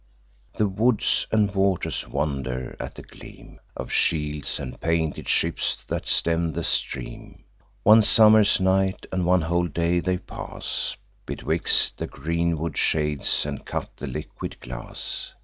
The woods and waters wonder at the gleam Of shields, and painted ships that stem the stream. One summer's night and one whole day they pass Betwixt the greenwood shades, and cut the liquid glass.